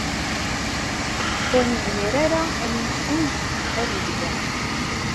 Ur nezmir ara ad nessenz azebg-a.